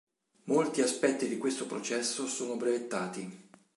Molti aspetti di questo processo sono brevettati.